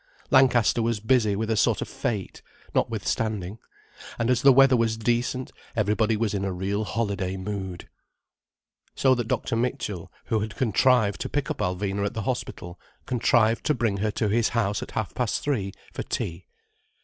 Lancaster was busy with a sort of fête, notwithstanding. And as the weather was decent, everybody was in a real holiday mood. So that Dr. Mitchell, who had contrived to pick up Alvina at the Hospital, contrived to bring her to his house at half past three, for tea.